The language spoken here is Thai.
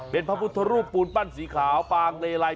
เป็นพระพุทธรูปปูนปั้นสีขาวปางเลไล